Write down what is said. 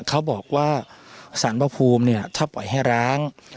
เขาบอกว่าสารพระภูมิเนี่ยถ้าปล่อยให้ร้าง